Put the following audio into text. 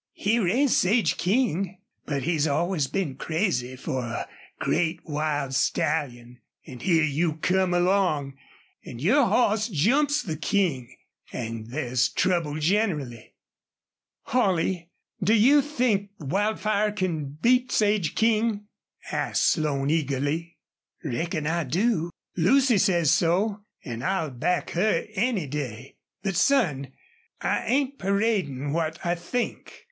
He raised Sage King. But he's always been crazy fer a great wild stallion. An' here you come along an' your hoss jumps the King an' there's trouble generally." "Holley, do you think Wildfire can beat Sage King?" asked Slone, eagerly. "Reckon I do. Lucy says so, an' I'll back her any day. But, son, I ain't paradin' what I think.